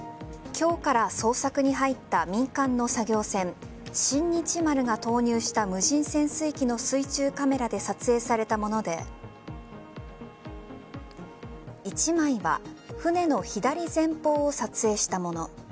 今日から捜索に入った民間の作業船「新日丸」が投入した無人潜水機の水中カメラで撮影されたもので１枚は船の左前方を撮影したもの。